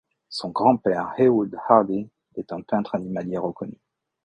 Son grand-père Heywood Hardy est un peintre animalier reconnu.